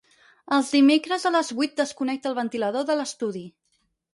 Els dimecres a les vuit desconnecta el ventilador de l'estudi.